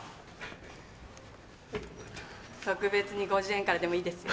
特別に５０円からでもいいですよ？